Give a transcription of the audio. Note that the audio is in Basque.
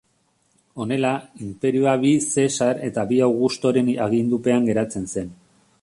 Honela, inperioa bi zesar eta bi augustoren agindupean geratzen zen.